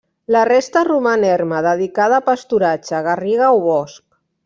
La resta roman erma, dedicada a pasturatge, garriga o bosc.